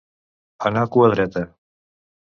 Anar cua dreta.